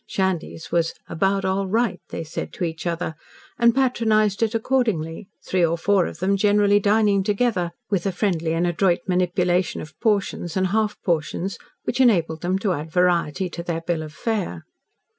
Shandy's was "about all right," they said to each other, and patronised it accordingly, three or four of them generally dining together, with a friendly and adroit manipulation of "portions" and "half portions" which enabled them to add variety to their bill of fare.